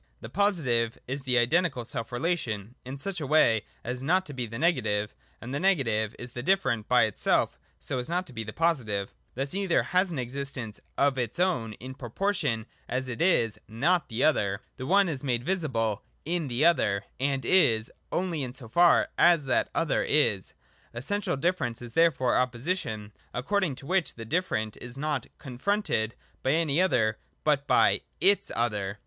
The Positive is the identical self relation in such a way as not to=be the Negative, and the Negative is the different by itself so as not to be the Positive. Thus either has an existence of its own in proportion as it is not the 2 20 THE DOCTRINE OF ESSENCE. [up Other. The one is made visible in the other, and is only in so far as that other is. Essential difference is there fore Opposition ; according to which the different is not confronted by any other but by its other.